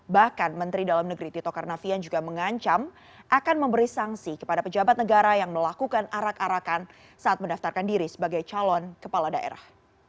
bahkan menteri dalam negeri tito karnavian juga mengancam akan memberi sanksi kepada pejabat negara yang melakukan arak arakan saat mendaftarkan diri sebagai calon kepala daerah